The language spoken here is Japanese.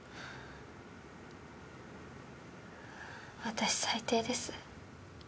私最低です。